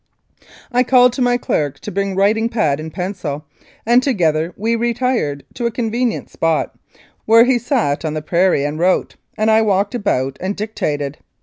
I called to my clerk to bring writing pad and pencil, and together we retired to a convenient spot, where he sat on the prairie and wrote, and I walked about and dictated.